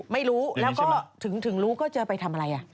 ไม่รู้แล้วก็ถึงรู้ก็จะไปทำอะไร